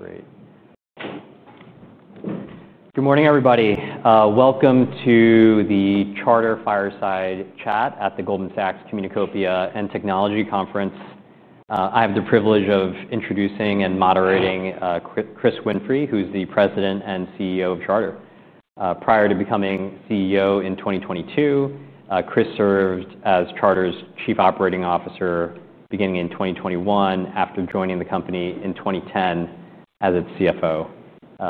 Great. Good morning, everybody. Welcome to the Charter Fireside Chat at the Goldman Sachs Communicopia and Technology Conference. I have the privilege of introducing and moderating Chris Winfrey, who's the President and CEO of Charter. Prior to becoming CEO in 2022, Chris served as Charter's Chief Operating Officer beginning in 2021, after joining the company in 2010 as its CFO.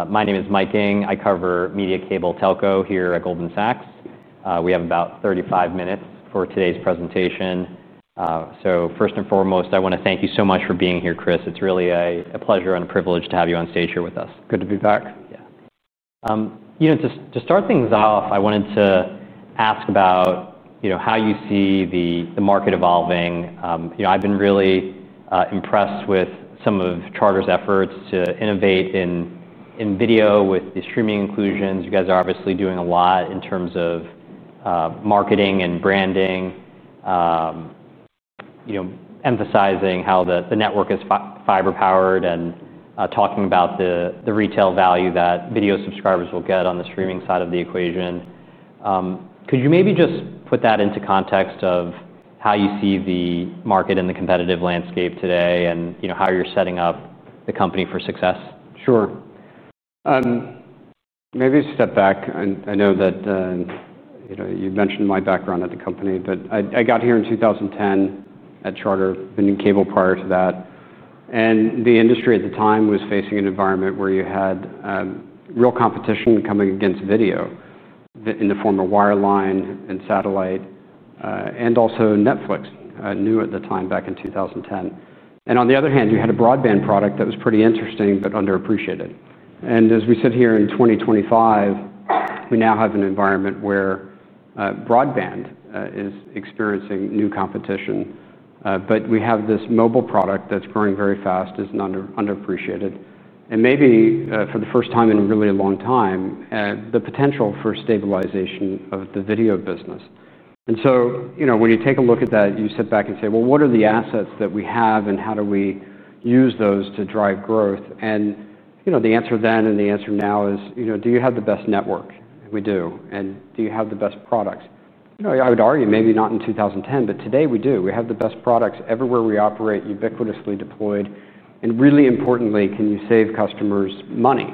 My name is Mike Ng. I cover media, cable, telco here at Goldman Sachs. We have about 35 minutes for today's presentation. First and foremost, I want to thank you so much for being here, Chris. It's really a pleasure and a privilege to have you on stage here with us. Good to be back. Yeah. To start things off, I wanted to ask about how you see the market evolving. I've been really impressed with some of Charter Communications' efforts to innovate in video with the streaming inclusions. You guys are obviously doing a lot in terms of marketing and branding, emphasizing how the network is fiber-powered and talking about the retail value that video subscribers will get on the streaming side of the equation. Could you maybe just put that into context of how you see the market and the competitive landscape today and how you're setting up the company for success? Sure. Maybe a step back. I know that you mentioned my background at the company, but I got here in 2010 at Charter. I'd been in cable prior to that. The industry at the time was facing an environment where you had real competition coming against video in the form of wireline and satellite, and also Netflix, new at the time back in 2010. On the other hand, you had a broadband product that was pretty interesting but underappreciated. As we sit here in 2025, we now have an environment where broadband is experiencing new competition. We have this mobile product that's growing very fast, is underappreciated, and maybe for the first time in a really long time, the potential for stabilization of the video business. When you take a look at that, you sit back and say, what are the assets that we have and how do we use those to drive growth? The answer then and the answer now is, do you have the best network? We do. Do you have the best products? I would argue maybe not in 2010, but today we do. We have the best products everywhere we operate, ubiquitously deployed. Really importantly, can you save customers money?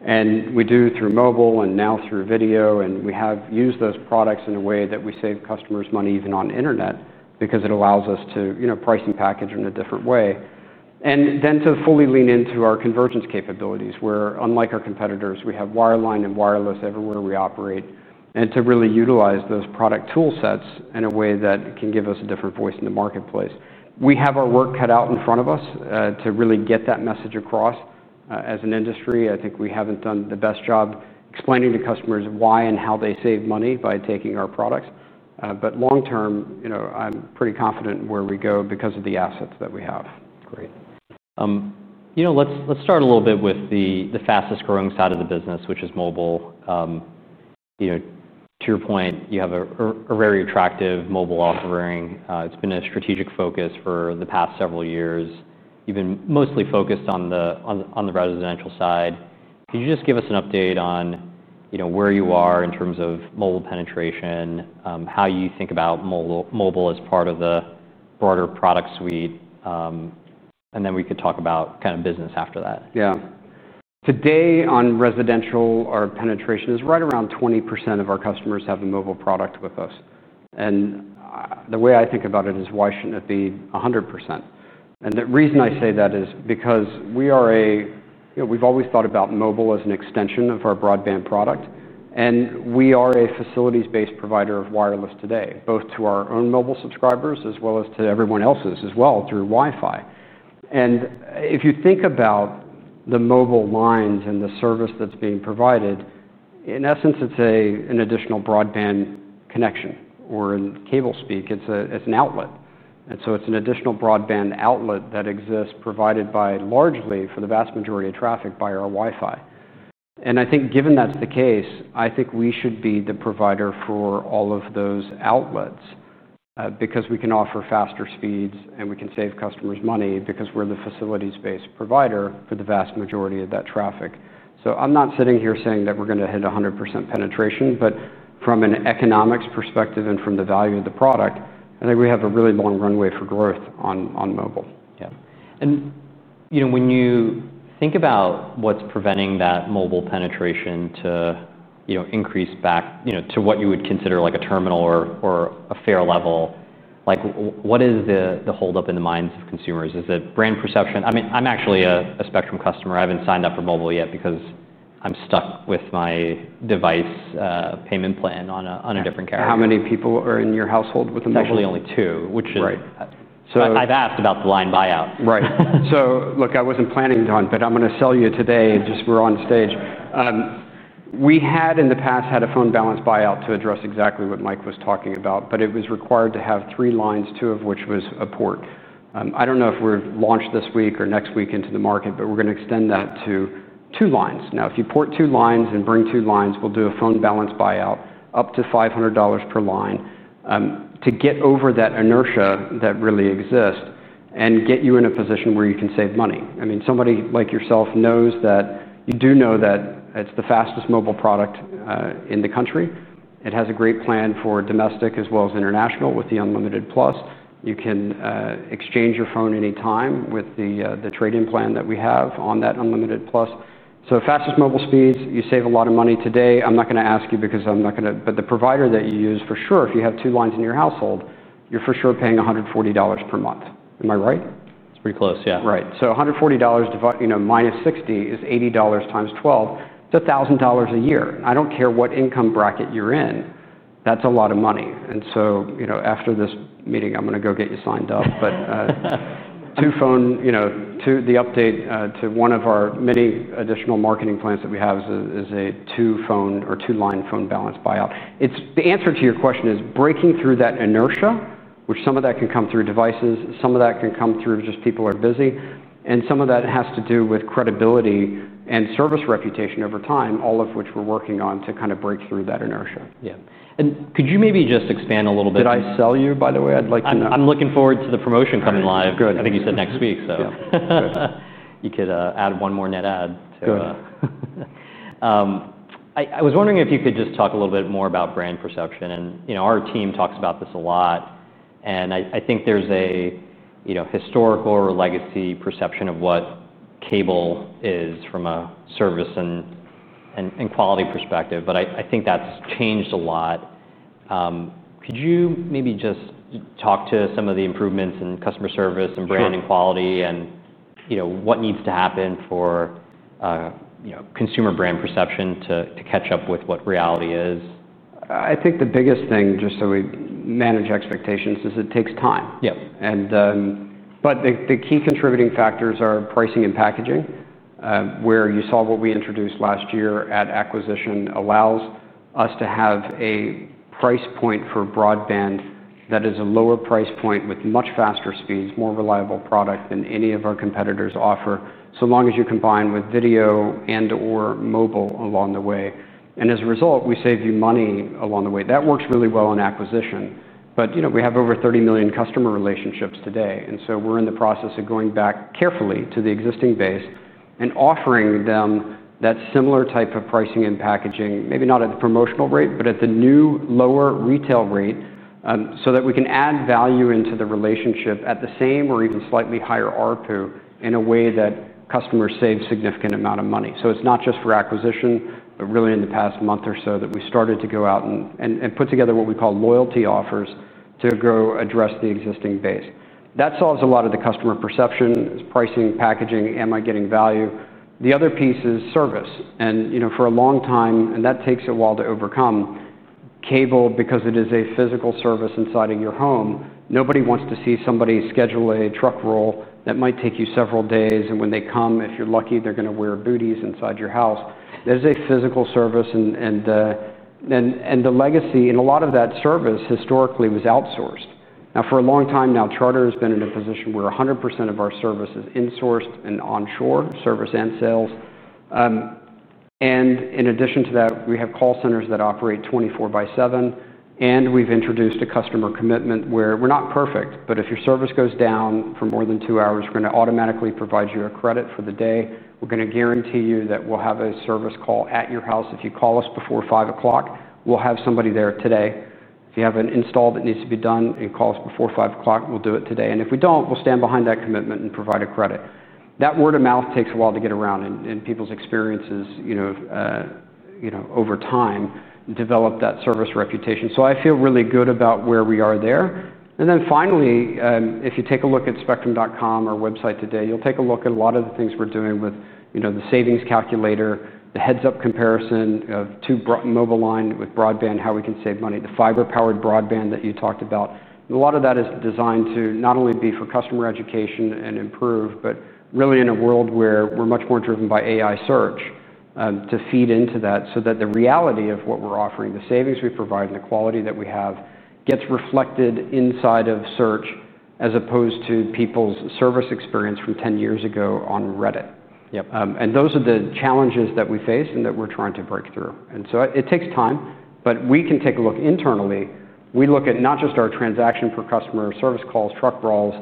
We do through mobile and now through video. We have used those products in a way that we save customers money even on the internet because it allows us to price and package in a different way. To fully lean into our convergence capabilities where, unlike our competitors, we have wireline and wireless everywhere we operate. To really utilize those product toolsets in a way that can give us a different voice in the marketplace. We have our work cut out in front of us to really get that message across. As an industry, I think we haven't done the best job explaining to customers why and how they save money by taking our products. Long term, I'm pretty confident in where we go because of the assets that we have. Great. Let's start a little bit with the fastest growing side of the business, which is mobile. To your point, you have a very attractive mobile offering. It's been a strategic focus for the past several years, even mostly focused on the residential side. Could you just give us an update on where you are in terms of mobile penetration, how you think about mobile as part of the broader product suite? Then we could talk about kind of business after that. Today on residential, our penetration is right around 20% of our customers have a mobile product with us. The way I think about it is, why shouldn't it be 100%? The reason I say that is because we are a, we've always thought about mobile as an extension of our broadband product. We are a facilities-based provider of wireless today, both to our own mobile subscribers as well as to everyone else's as well through Wi-Fi. If you think about the mobile lines and the service that's being provided, in essence, it's an additional broadband connection or in cable speak, it's an outlet. It's an additional broadband outlet that exists provided largely for the vast majority of traffic by our Wi-Fi. I think given that's the case, we should be the provider for all of those outlets because we can offer faster speeds and we can save customers money because we're the facilities-based provider for the vast majority of that traffic. I'm not sitting here saying that we're going to hit 100% penetration, but from an economics perspective and from the value of the product, I think we have a really long runway for growth on mobile. Yeah. You know, when you think about what's preventing that mobile penetration to increase back to what you would consider like a terminal or a fair level, what is the holdup in the minds of consumers? Is it brand perception? I mean, I'm actually a Spectrum customer. I haven't signed up for mobile yet because I'm stuck with my device payment plan on a different carrier. How many people are in your household with a mobile? Actually, only two, which is... I've asked about the line buyout. Right. Look, I wasn't planning, Don, but I'm going to sell you today and just we're on stage. We had in the past had a phone balance buyout to address exactly what Mike was talking about, but it was required to have three lines, two of which was a port. I don't know if we're launched this week or next week into the market, but we're going to extend that to two lines. Now, if you port two lines and bring two lines, we'll do a phone balance buyout up to $500 per line to get over that inertia that really exists and get you in a position where you can save money. I mean, somebody like yourself knows that you do know that it's the fastest mobile product in the country. It has a great plan for domestic as well as international with the unlimited plus. You can exchange your phone anytime with the trading plan that we have on that unlimited plus. Fastest mobile speeds, you save a lot of money today. I'm not going to ask you because I'm not going to, but the provider that you use for sure, if you have two lines in your household, you're for sure paying $140 per month. Am I right? Pretty close, yeah. Right. $140 minus $60 is $80 times 12. It's $1,000 a year. I don't care what income bracket you're in. That's a lot of money. After this meeting, I'm going to go get you signed up. The update to one of our many additional marketing plans that we have is a two-phone or two-line phone balance buyout. The answer to your question is breaking through that inertia, which some of that can come through devices, some of that can come through just people are busy, and some of that has to do with credibility and service reputation over time, all of which we're working on to kind of break through that inertia. Could you maybe just expand a little bit? Did I sell you, by the way? I'd like to know. I'm looking forward to the promotion coming live. Good. I think you said next week, so you could add one more net ad to... I was wondering if you could just talk a little bit more about brand perception. Our team talks about this a lot. I think there's a historical or legacy perception of what cable is from a service and quality perspective. I think that's changed a lot. Could you maybe just talk to some of the improvements in customer service and brand and quality, and what needs to happen for consumer brand perception to catch up with what reality is? I think the biggest thing, just so we manage expectations, is it takes time. Yes. The key contributing factors are pricing and packaging, where you saw what we introduced last year at acquisition allows us to have a price point for broadband that is a lower price point with much faster speeds, more reliable product than any of our competitors offer, so long as you combine with video and/or mobile along the way. As a result, we save you money along the way. That works really well in acquisition. We have over 30 million customer relationships today, and we're in the process of going back carefully to the existing base and offering them that similar type of pricing and packaging, maybe not at the promotional rate, but at the new lower retail rate so that we can add value into the relationship at the same or even slightly higher ARPU in a way that customers save a significant amount of money. It's not just for acquisition, but really in the past month or so that we started to go out and put together what we call loyalty offers to go address the existing base. That solves a lot of the customer perception, pricing, packaging, am I getting value? The other piece is service. For a long time, and that takes a while to overcome, cable, because it is a physical service inside of your home, nobody wants to see somebody schedule a truck roll that might take you several days. When they come, if you're lucky, they're going to wear booties inside your house. That is a physical service. The legacy in a lot of that service historically was outsourced. Now, for a long time now, Charter has been in a position where 100% of our service is insourced and onshore, service and sales. In addition to that, we have call centers that operate 24 by 7. We've introduced a customer commitment where we're not perfect, but if your service goes down for more than two hours, we're going to automatically provide you a credit for the day. We're going to guarantee you that we'll have a service call at your house. If you call us before 5:00 P.M., we'll have somebody there today. If you have an install that needs to be done and call us before 5:00 P.M., we'll do it today. If we don't, we'll stand behind that commitment and provide a credit. That word of mouth takes a while to get around in people's experiences over time to develop that service reputation. I feel really good about where we are there. If you take a look at spectrum.com, our website today, you'll take a look at a lot of the things we're doing with the savings calculator, the heads-up comparison of two mobile lines with broadband, how we can save money, the fiber-powered broadband that you talked about. A lot of that is designed to not only be for customer education and improve, but really in a world where we're much more driven by AI search to feed into that so that the reality of what we're offering, the savings we provide, and the quality that we have gets reflected inside of search as opposed to people's service experience from 10 years ago on Reddit. Yep. Those are the challenges that we face and that we're trying to break through. It takes time, but we can take a look internally. We look at not just our transaction per customer, service calls, truck rolls,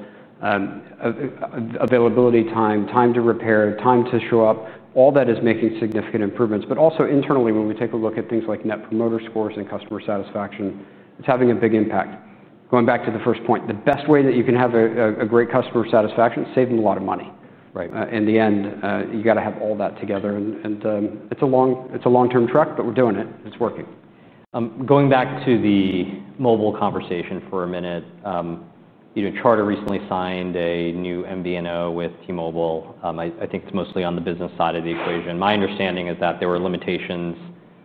availability time, time to repair, time to show up. All that is making significant improvements. Also, internally, when we take a look at things like net promoter scores and customer satisfaction, it's having a big impact. Going back to the first point, the best way that you can have a great customer satisfaction is to save them a lot of money. Right. In the end, you got to have all that together. It's a long-term trek, but we're doing it. It's working. Going back to the mobile conversation for a minute, Charter recently signed a new MVNO with T-Mobile. I think it's mostly on the business side of the equation. My understanding is that there were limitations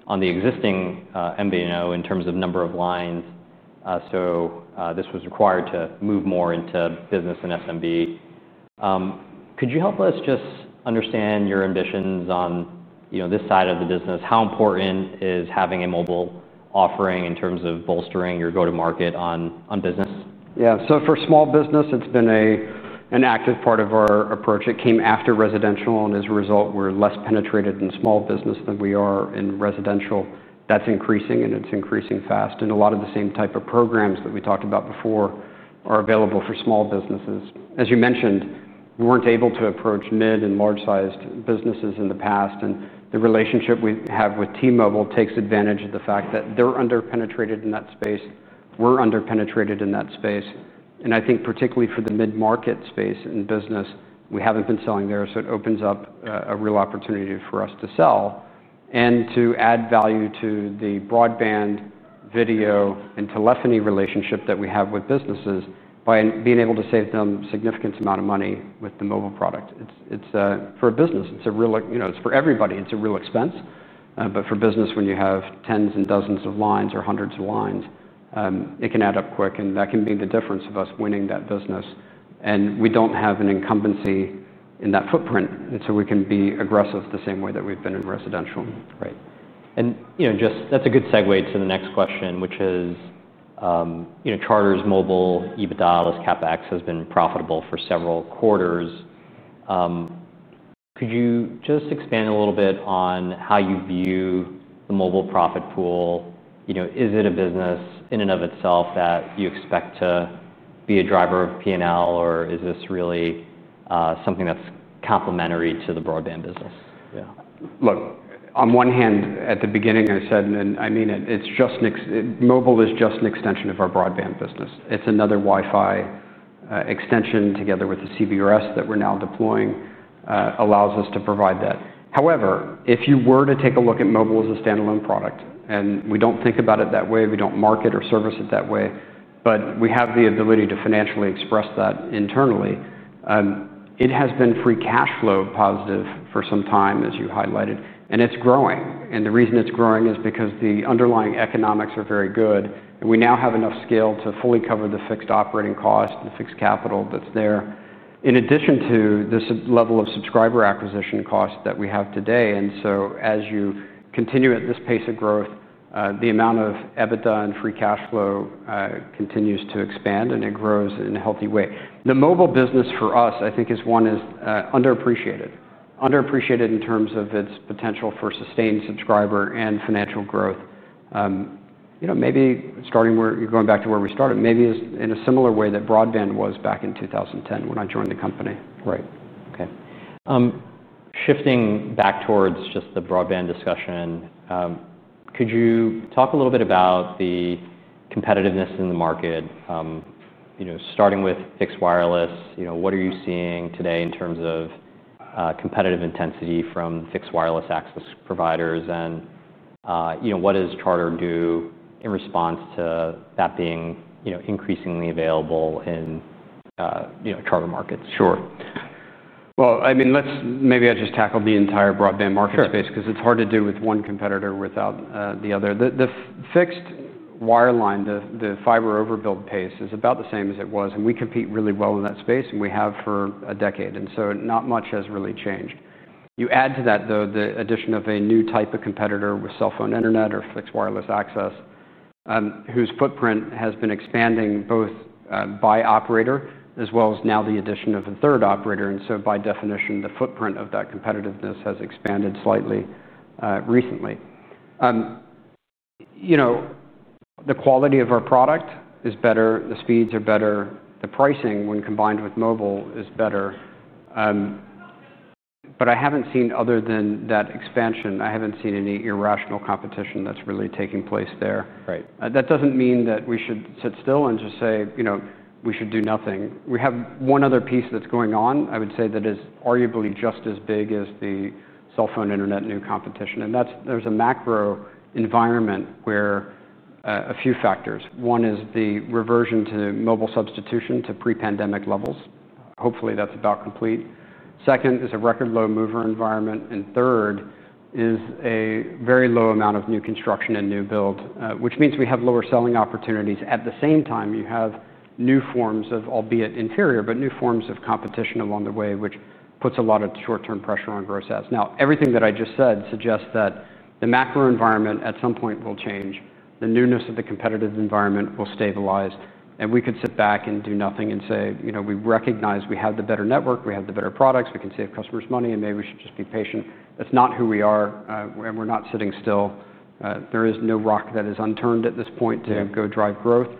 on the existing MVNO in terms of number of lines. This was required to move more into business and SMB. Could you help us just understand your ambitions on this side of the business? How important is having a mobile offering in terms of bolstering your go-to-market on business? Yeah. For small business, it's been an active part of our approach. It came after residential, and as a result, we're less penetrated in small business than we are in residential. That's increasing, and it's increasing fast. A lot of the same type of programs that we talked about before are available for small businesses. As you mentioned, we weren't able to approach mid and large-sized businesses in the past. The relationship we have with T-Mobile takes advantage of the fact that they're underpenetrated in that space. We're underpenetrated in that space. I think particularly for the mid-market space in business, we haven't been selling there. It opens up a real opportunity for us to sell and to add value to the broadband, video, and telephony relationship that we have with businesses by being able to save them a significant amount of money with the mobile product. For a business, it's a real expense. For business, when you have tens and dozens of lines or hundreds of lines, it can add up quick. That can be the difference of us winning that business. We don't have an incumbency in that footprint, so we can be aggressive the same way that we've been in residential. Right. That's a good segue to the next question, which is Charter's mobile EBITDA plus CapEx has been profitable for several quarters. Could you just expand a little bit on how you view the mobile profit pool? Is it a business in and of itself that you expect to be a driver of P&L, or is this really something that's complementary to the broadband business? Yeah. Look, on one hand, at the beginning, I said, and I mean, mobile is just an extension of our broadband business. It's another Wi-Fi extension together with the CBRS that we're now deploying allows us to provide that. However, if you were to take a look at mobile as a standalone product, and we don't think about it that way, we don't market or service it that way, but we have the ability to financially express that internally, it has been free cash flow positive for some time, as you highlighted. It's growing. The reason it's growing is because the underlying economics are very good. We now have enough scale to fully cover the fixed operating cost and the fixed capital that's there, in addition to this level of subscriber acquisition cost that we have today. As you continue at this pace of growth, the amount of EBITDA and free cash flow continues to expand, and it grows in a healthy way. The mobile business for us, I think, is one that is underappreciated, underappreciated in terms of its potential for sustained subscriber and financial growth. Maybe starting going back to where we started, maybe in a similar way that broadband was back in 2010 when I joined the company. Right. OK. Shifting back towards just the broadband discussion, could you talk a little bit about the competitiveness in the market? Starting with fixed wireless, what are you seeing today in terms of competitive intensity from fixed wireless access providers? What does Charter do in response to that being increasingly available in Charter markets? Sure. Maybe I'd just tackle the entire broadband market space because it's hard to do with one competitor without the other. The fixed wireline, the fiber overbuild pace is about the same as it was. We compete really well in that space, and we have for a decade, so not much has really changed. You add to that the addition of a new type of competitor with cell phone internet or fixed wireless access, whose footprint has been expanding both by operator as well as now the addition of a third operator. By definition, the footprint of that competitiveness has expanded slightly recently. The quality of our product is better. The speeds are better. The pricing, when combined with mobile, is better. I haven't seen, other than that expansion, any irrational competition that's really taking place there. Right. That doesn't mean that we should sit still and just say we should do nothing. We have one other piece that's going on, I would say, that is arguably just as big as the cell phone internet new competition. There's a macro environment where a few factors. One is the reversion to mobile substitution to pre-pandemic levels. Hopefully, that's about complete. Second is a record low mover environment. Third is a very low amount of new construction and new build, which means we have lower selling opportunities. At the same time, you have new forms of, albeit inferior, but new forms of competition along the way, which puts a lot of short-term pressure on gross sales. Everything that I just said suggests that the macro environment at some point will change. The newness of the competitive environment will stabilize. We could sit back and do nothing and say we recognize we have the better network, we have the better products, we can save customers money, and maybe we should just be patient. That's not who we are. We're not sitting still. There is no rock that is unturned at this point to go drive growth.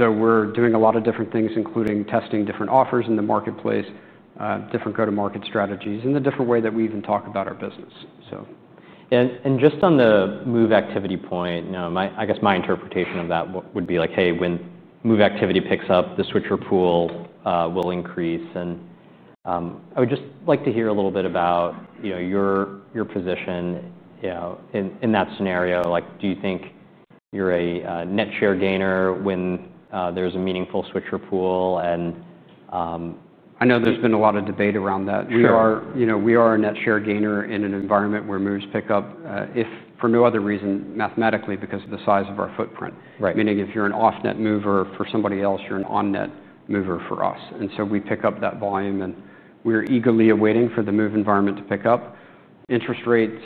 We're doing a lot of different things, including testing different offers in the marketplace, different go-to-market strategies, and the different way that we even talk about our business. On the move activity point, I guess my interpretation of that would be like, hey, when move activity picks up, the switcher pool will increase. I would just like to hear a little bit about your position in that scenario. Do you think you're a net share gainer when there's a meaningful switcher pool? I know there's been a lot of debate around that. We are a net share gainer in an environment where moves pick up for no other reason, mathematically, because of the size of our footprint. Meaning if you're an off-net mover for somebody else, you're an on-net mover for us, and we pick up that volume. We're eagerly awaiting for the move environment to pick up. Interest rates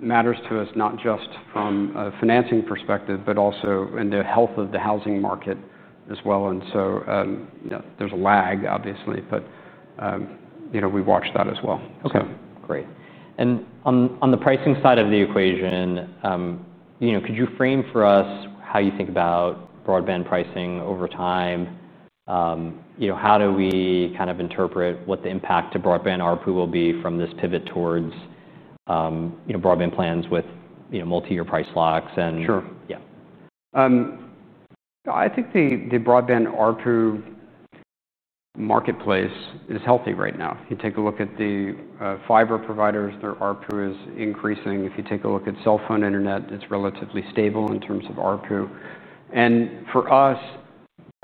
matter to us not just from a financing perspective, but also in the health of the housing market as well. There's a lag, obviously, but we watch that as well. OK. Great. On the pricing side of the equation, could you frame for us how you think about broadband pricing over time? How do we kind of interpret what the impact to broadband ARPU will be from this pivot towards broadband plans with multi-year price slots? Sure. Yeah. I think the broadband ARPU marketplace is healthy right now. You take a look at the fiber providers, their ARPU is increasing. If you take a look at cell phone internet, it's relatively stable in terms of ARPU. For us,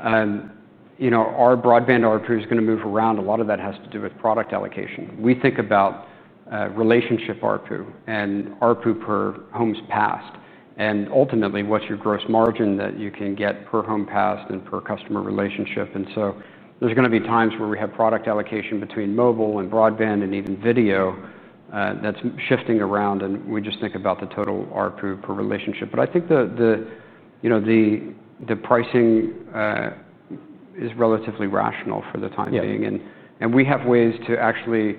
our broadband ARPU is going to move around. A lot of that has to do with product allocation. We think about relationship ARPU and ARPU per homes passed. Ultimately, what's your gross margin that you can get per home passed and per customer relationship? There's going to be times where we have product allocation between mobile and broadband and even video that's shifting around. We just think about the total ARPU per relationship. I think the pricing is relatively rational for the time being. Yeah. We have ways to actually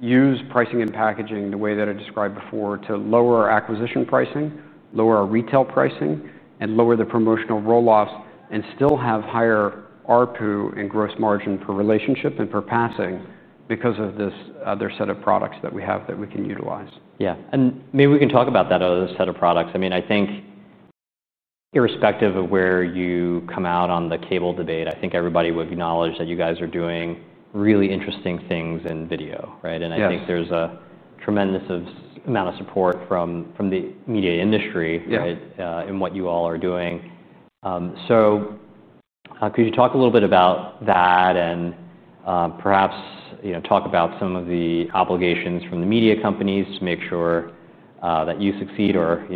use pricing and packaging the way that I described before to lower our acquisition pricing, lower our retail pricing, and lower the promotional roll-offs and still have higher ARPU and gross margin per relationship and per passing because of this other set of products that we have that we can utilize. Maybe we can talk about that other set of products. I think irrespective of where you come out on the cable debate, I think everybody would acknowledge that you guys are doing really interesting things in video, right? Yeah. I think there's a tremendous amount of support from the media industry in what you all are doing. Could you talk a little bit about that and perhaps talk about some of the obligations from the media companies to make sure that you succeed or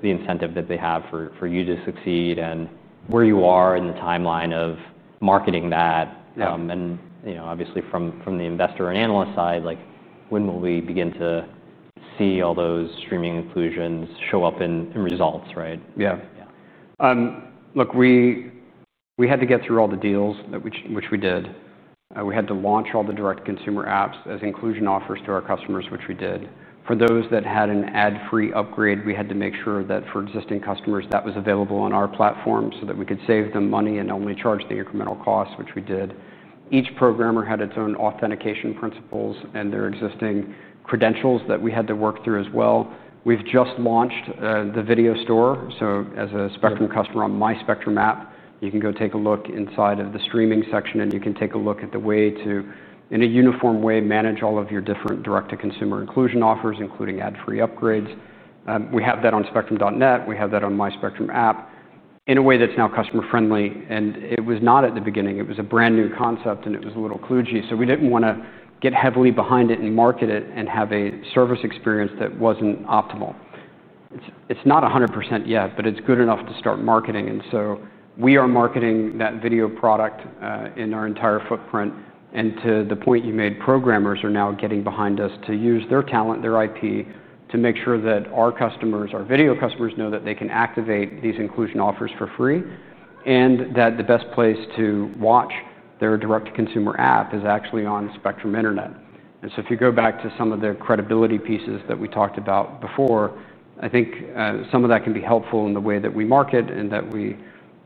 the incentive that they have for you to succeed and where you are in the timeline of marketing that? From the investor and analyst side, when will we begin to see all those streaming inclusions show up in results, right? Yeah. Yeah. Look, we had to get through all the deals, which we did. We had to launch all the direct-to-consumer apps as inclusion offers to our customers, which we did. For those that had an ad-free upgrade, we had to make sure that for existing customers, that was available on our platform so that we could save them money and only charge the incremental cost, which we did. Each programmer had its own authentication principles and their existing credentials that we had to work through as well. We've just launched the video store. As a Spectrum customer on my Spectrum app, you can go take a look inside of the streaming section. You can take a look at the way to, in a uniform way, manage all of your different direct-to-consumer inclusion offers, including ad-free upgrades. We have that on spectrum.net. We have that on my Spectrum app in a way that's now customer-friendly. It was not at the beginning. It was a brand new concept. It was a little kludgy. We didn't want to get heavily behind it and market it and have a service experience that wasn't optimal. It's not 100% yet, but it's good enough to start marketing. We are marketing that video product in our entire footprint. To the point you made, programmers are now getting behind us to use their talent, their IP to make sure that our customers, our video customers, know that they can activate these inclusion offers for free and that the best place to watch their direct-to-consumer app is actually on Spectrum Internet. If you go back to some of the credibility pieces that we talked about before, I think some of that can be helpful in the way that we market and that we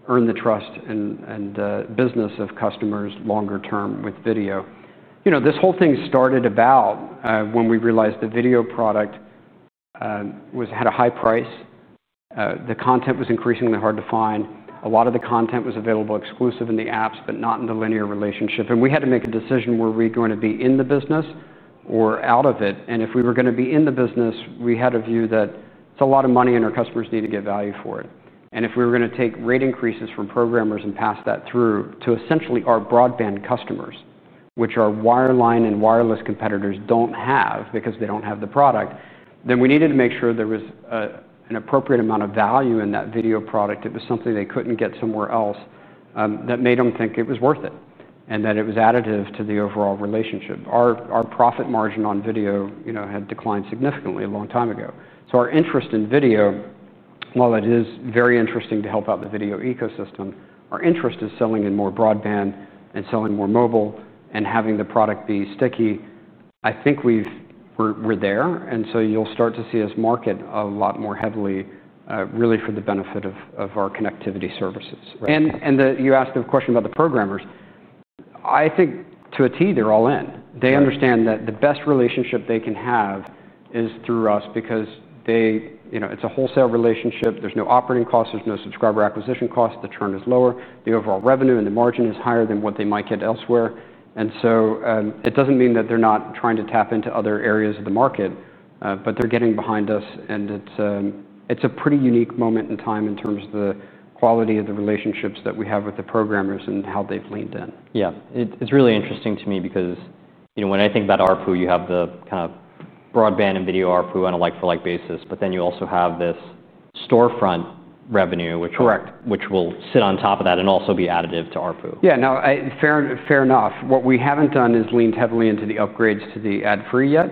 earn the trust and business of customers longer term with video. This whole thing started about when we realized the video product had a high price. The content was increasingly hard to find. A lot of the content was available exclusively in the apps, but not in the linear relationship. We had to make a decision, were we going to be in the business or out of it? If we were going to be in the business, we had a view that it's a lot of money, and our customers need to get value for it. If we were going to take rate increases from programmers and pass that through to essentially our broadband customers, which our wireline and wireless competitors don't have because they don't have the product, then we needed to make sure there was an appropriate amount of value in that video product. It was something they couldn't get somewhere else that made them think it was worth it and that it was additive to the overall relationship. Our profit margin on video had declined significantly a long time ago. Our interest in video, while it is very interesting to help out the video ecosystem, is selling in more broadband and selling more mobile and having the product be sticky. I think we're there, and you'll start to see us market a lot more heavily, really for the benefit of our connectivity services. You asked a question about the programmers. I think to a T, they're all in. They understand that the best relationship they can have is through us because it's a wholesale relationship. There's no operating costs, there's no subscriber acquisition costs, the churn is lower, and the overall revenue and the margin is higher than what they might get elsewhere. It doesn't mean that they're not trying to tap into other areas of the market, but they're getting behind us. It's a pretty unique moment in time in terms of the quality of the relationships that we have with the programmers and how they've leaned in. Yeah. It's really interesting to me because when I think about ARPU, you have the kind of broadband and video ARPU on a like-for-like basis, but then you also have this storefront revenue. Correct. Which will sit on top of that and also be additive to ARPU. Yeah. Fair enough. What we haven't done is leaned heavily into the upgrades to the ad-free yet.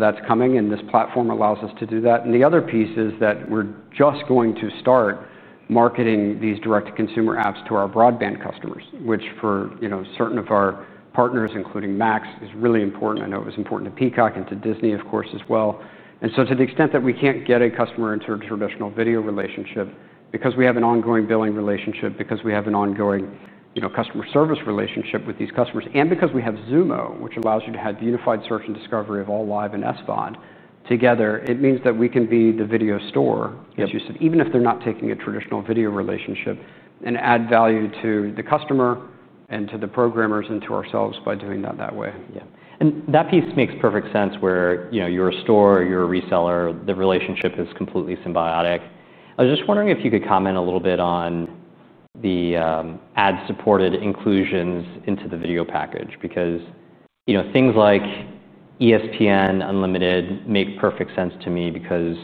That's coming, and this platform allows us to do that. The other piece is that we're just going to start marketing these direct-to-consumer apps to our broadband customers, which for certain of our partners, including Max, is really important. I know it was important to Peacock and to Disney+, of course, as well. To the extent that we can't get a customer into a traditional video relationship because we have an ongoing billing relationship, because we have an ongoing customer service relationship with these customers, and because we have Zumo, which allows you to have the unified search and discovery of all live and SVOD together, it means that we can be the video store, as you said, even if they're not taking a traditional video relationship and add value to the customer and to the programmers and to ourselves by doing that that way. Yeah. That piece makes perfect sense where you're a store, you're a reseller, the relationship is completely symbiotic. I was just wondering if you could comment a little bit on the ad-supported inclusions into the video package because things like ESPN+ Unlimited make perfect sense to me because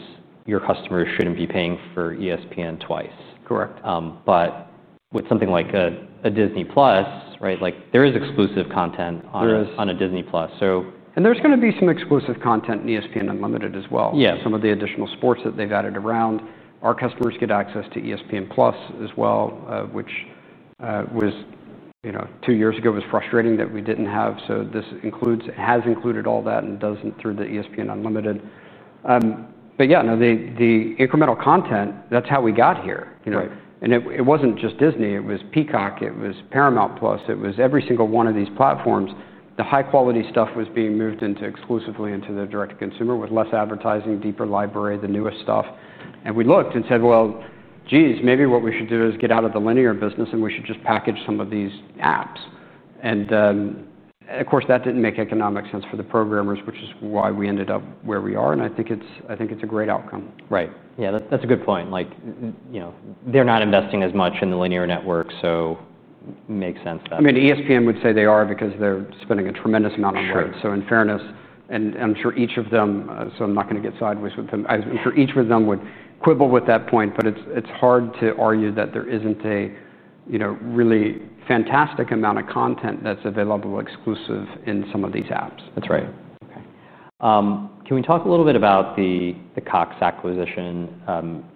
your customers shouldn't be paying for ESPN+ twice. Correct. With something like a Disney+, right, there is exclusive content on a Disney+. There is going to be some exclusive content in ESPN+ Unlimited as well. Yeah. Some of the additional sports that they've added around. Our customers get access to ESPN+ as well, which two years ago was frustrating that we didn't have. This has included all that and doesn't through the ESPN Unlimited. The incremental content, that's how we got here. Right. It wasn't just Disney+. It was Peacock. It was Paramount+. It was every single one of these platforms. The high-quality stuff was being moved exclusively into the direct-to-consumer with less advertising, deeper library, the newest stuff. We looked and said, geez, maybe what we should do is get out of the linear business and just package some of these apps. Of course, that didn't make economic sense for the programmers, which is why we ended up where we are. I think it's a great outcome. Right. Yeah, that's a good point. They're not investing as much in the linear network, so it makes sense then. I mean, ESPN+ would say they are because they're spending a tremendous amount on words. In fairness, and I'm sure each of them, I'm not going to get sideways with them, I'm sure each of them would quibble with that point. It's hard to argue that there isn't a really fantastic amount of content that's available exclusive in some of these apps. That's right. OK. Can we talk a little bit about the Cox acquisition?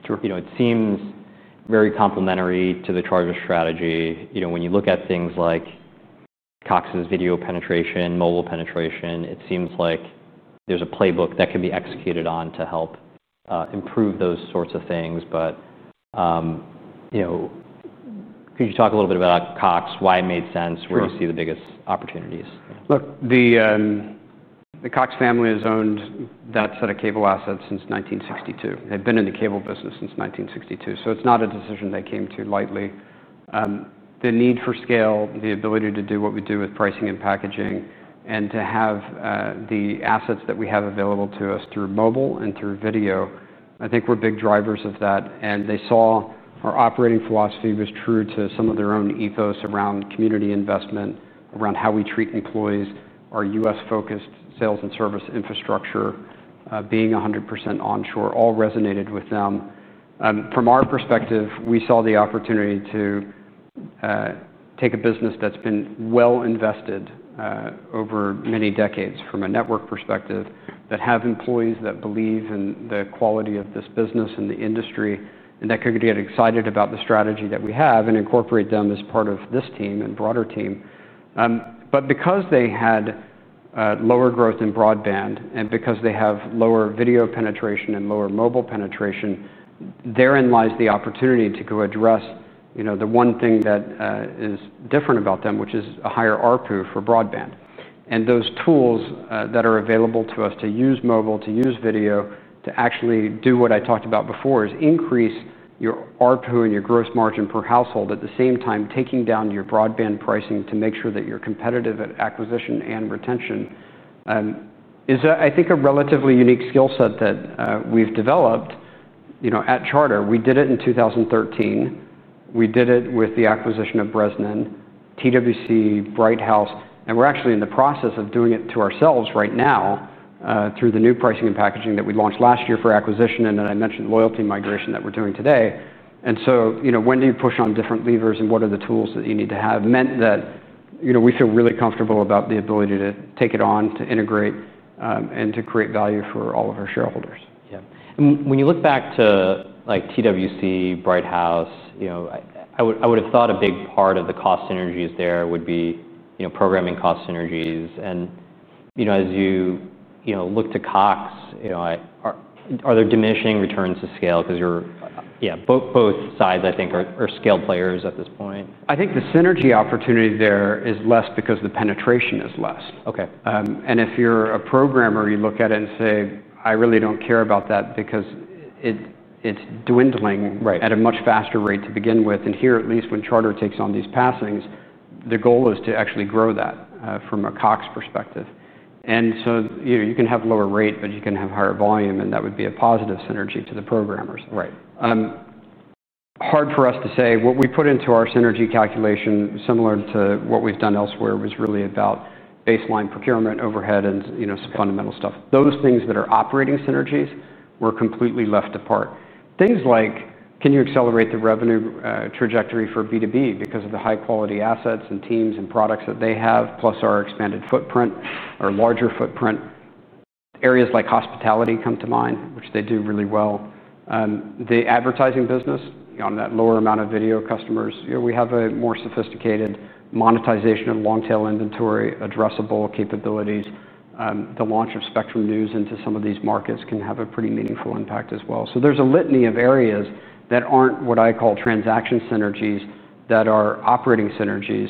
It seems very complementary to the Charter strategy. When you look at things like Cox's video penetration, mobile penetration, it seems like there's a playbook that can be executed on to help improve those sorts of things. Could you talk a little bit about Cox, why it made sense, where you see the biggest opportunities? Look, the Cox family has owned that set of cable assets since 1962. They've been in the cable business since 1962. It's not a decision they came to lightly. The need for scale, the ability to do what we do with pricing and packaging, and to have the assets that we have available to us through mobile and through video, I think, were big drivers of that. They saw our operating philosophy was true to some of their own ethos around community investment, around how we treat employees, our U.S.-focused sales and service infrastructure being 100% onshore, all resonated with them. From our perspective, we saw the opportunity to take a business that's been well invested over many decades from a network perspective, that has employees that believe in the quality of this business and the industry, and that can get excited about the strategy that we have and incorporate them as part of this team and broader team. Because they had lower growth in broadband and because they have lower video penetration and lower mobile penetration, therein lies the opportunity to go address the one thing that is different about them, which is a higher ARPU for broadband. Those tools that are available to us to use mobile, to use video, to actually do what I talked about before, increase your ARPU and your gross margin per household at the same time, taking down your broadband pricing to make sure that you're competitive at acquisition and retention, is, I think, a relatively unique skill set that we've developed at Charter. We did it in 2013. We did it with the acquisition of Bresnan, TWC, Brighthouse. We're actually in the process of doing it to ourselves right now through the new pricing and packaging that we launched last year for acquisition and that I mentioned, loyalty migration that we're doing today. When do you push on different levers and what are the tools that you need to have? That meant we feel really comfortable about the ability to take it on, to integrate, and to create value for all of our shareholders. When you look back to TWC, Brighthouse, I would have thought a big part of the cost synergies there would be programming cost synergies. As you look to Cox, are there diminishing returns to scale? Because you're, yeah, both sides, I think, are scale players at this point. I think the synergy opportunity there is less because the penetration is less. OK. If you're a programmer, you look at it and say, I really don't care about that because it's dwindling at a much faster rate to begin with. Here, at least when Charter takes on these passings, the goal is to actually grow that from a Cox perspective. You can have a lower rate, but you can have higher volume. That would be a positive synergy to the programmers. Right. Hard for us to say. What we put into our synergy calculation, similar to what we've done elsewhere, was really about baseline procurement, overhead, and some fundamental stuff. Those things that are operating synergies were completely left apart. Things like, can you accelerate the revenue trajectory for B2B because of the high-quality assets and teams and products that they have, plus our expanded footprint, our larger footprint? Areas like hospitality come to mind, which they do really well. The advertising business on that lower amount of video customers, we have a more sophisticated monetization and long-tail inventory addressable capabilities. The launch of Spectrum News into some of these markets can have a pretty meaningful impact as well. There's a litany of areas that aren't what I call transaction synergies, that are operating synergies,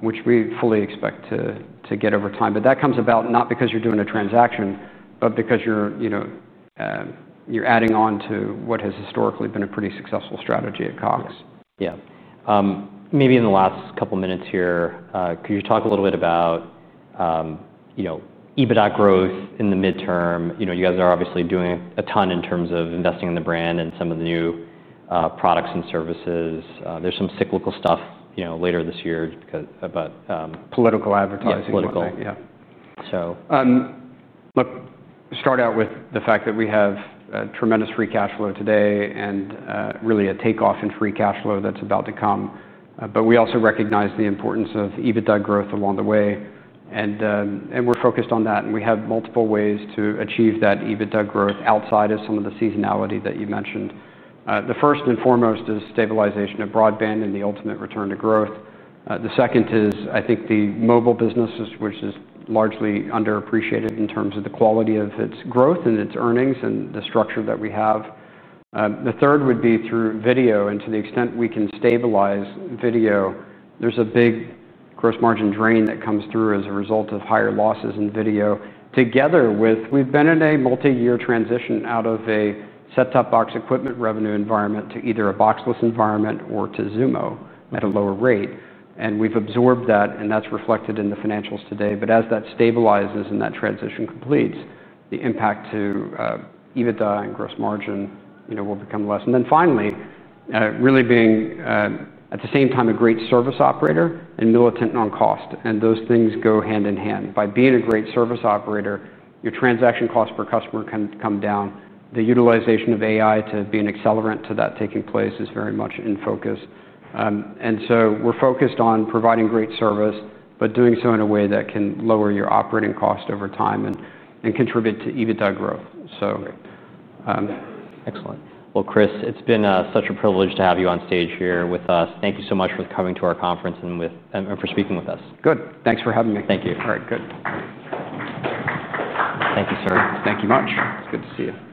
which we fully expect to get over time. That comes about not because you're doing a transaction, but because you're adding on to what has historically been a pretty successful strategy at Cox. Yeah. Maybe in the last couple of minutes here, could you talk a little bit about EBITDA growth in the midterm? You guys are obviously doing a ton in terms of investing in the brand and some of the new products and services. There's some cyclical stuff later this year. Political advertising and everything. Political, yeah. Look, start out with the fact that we have tremendous free cash flow today and really a takeoff in free cash flow that's about to come. We also recognize the importance of EBITDA growth along the way, and we're focused on that. We have multiple ways to achieve that EBITDA growth outside of some of the seasonality that you mentioned. The first and foremost is stabilization of broadband and the ultimate return to growth. The second is, I think, the mobile businesses, which is largely underappreciated in terms of the quality of its growth and its earnings and the structure that we have. The third would be through video. To the extent we can stabilize video, there's a big gross margin drain that comes through as a result of higher losses in video. Together with, we've been in a multi-year transition out of a set-top box equipment revenue environment to either a box-less environment or to Zumo at a lower rate. We've absorbed that, and that's reflected in the financials today. As that stabilizes and that transition completes, the impact to EBITDA and gross margin will become less. Finally, really being at the same time a great service operator and militant on cost. Those things go hand in hand. By being a great service operator, your transaction cost per customer can come down. The utilization of AI to be an accelerant to that taking place is very much in focus. We're focused on providing great service, but doing so in a way that can lower your operating cost over time and contribute to EBITDA growth. Excellent. Chris, it's been such a privilege to have you on stage here with us. Thank you so much for coming to our conference and for speaking with us. Good, thanks for having me. Thank you. All right. Good. Thank you, sir. Thank you very much. It's good to see you.